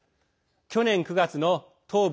去年９月の東部